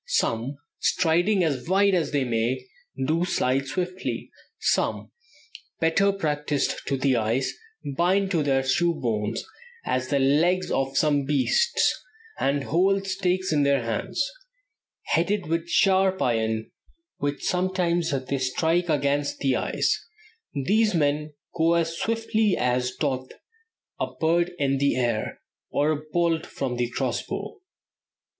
Some, striding as wide as they may, do slide swiftly; some, better practiced to the ice, bind to their shoes bones, as the legs of some beasts, and hold stakes in their hands, headed with sharp iron, which sometimes they strike against the ice; these men go as swiftly as doth a bird in the air, or a bolt from a cross bow."